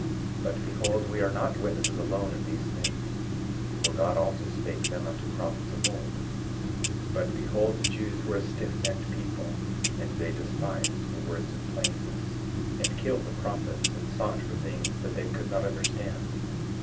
But behold, we are not witnesses alone in these things; for God also spake them unto prophets of old. 4:14 But behold, the Jews were a stiffnecked people; and they despised the words of plainness, and killed the prophets, and sought for things that they could not understand.